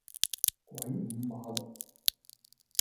鬼五馬六